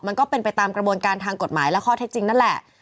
มันก็เป็นไปตามกระบวนการทางกฎหมายและข้อเท็จจริงนั่นแหละ